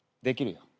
できるよ。